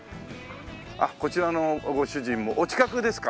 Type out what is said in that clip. あっこちらのご主人もお近くですか？